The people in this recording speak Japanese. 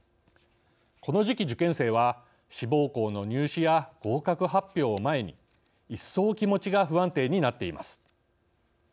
この時期、受験生は志望校の入試や合格発表を前に一層、気持ちが不安定になっています。